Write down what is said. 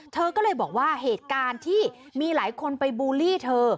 เธอก็เลยบอกว่าเหตุการณ์ที่มีหลายคนไปบูลลี่เธอ